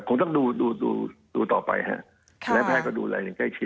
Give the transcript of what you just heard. คงต้องดูต่อไปฮะ